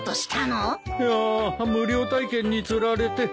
いや無料体験に釣られてつい。